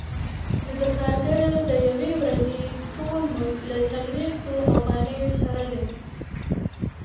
نو د کارګر د یوې ورځې ټول مزد له څلوېښت افغانیو سره دی